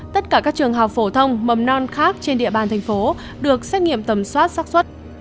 tất cả các trường học phổ thông mầm non khác trên địa bàn thành phố được xét nghiệm tầm soát sắc xuất